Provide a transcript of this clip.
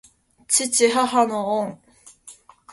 父母の恩。